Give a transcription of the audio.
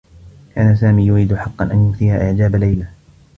كان سامي يريد حقّا أن يثير إعجاب ليلى.